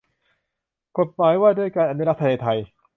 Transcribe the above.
กฎหมายว่าด้วยการอนุรักษ์ทะเลไทย